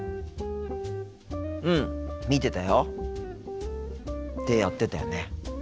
うん見てたよ。ってやってたよね。